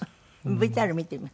ＶＴＲ見てみます。